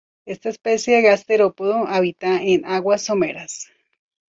Esta especie de gasterópodo habita en aguas someras.